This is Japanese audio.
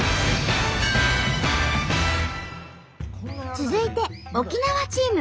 続いて沖縄チーム。